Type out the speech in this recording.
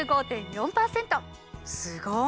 すごい！